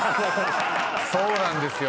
そうなんですよ